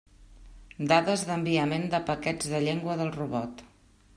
Dades d'enviament de paquets de llengua del robot.